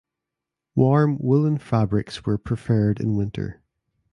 Warm woollen fabrics were preferred in winter.